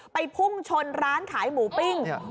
พุ่งชนร้านขายหมูปิ้ง